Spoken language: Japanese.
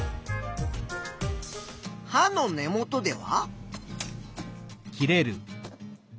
はの根元では？